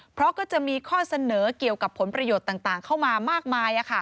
เพราะก็จะมีข้อเสนอเกี่ยวกับผลประโยชน์ต่างเข้ามามากมาย